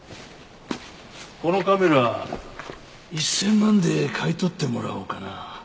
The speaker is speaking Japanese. このカメラ１０００万で買い取ってもらおうかな。